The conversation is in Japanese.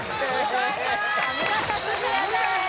お見事クリアです・